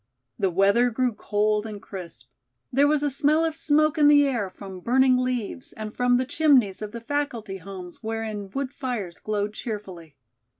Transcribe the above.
The weather grew cold and crisp. There was a smell of smoke in the air from burning leaves and from the chimneys of the faculty homes wherein wood fires glowed cheerfully.